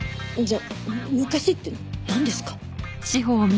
じゃあ昔ってなんですか？